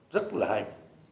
rất là hay